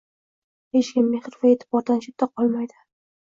Hech kim mehr va e’tibordan chetda qolmaydi